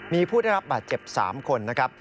มีผู้ได้รับบาดเจ็บ๓คนนะครับ